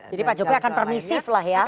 jadi pak jokowi akan permisif lah ya